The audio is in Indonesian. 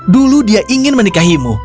dulu dia ingin menikahimu